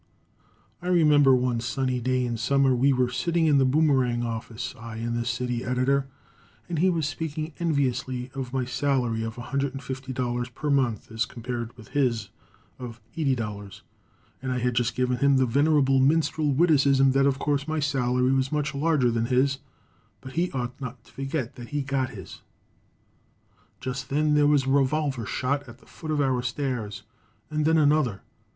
I remember one sunny day in summer, we were sitting in the Boomerang office, I and the city editor, and he was speaking enviously of my salary of $150 per month as compared with his of $80, and I had just given him the venerable minstrel witticism that of course my salary was much larger than his, but he ought not to forget that he got his. Just then there was a revolver shot at the foot of our stairs, and then another.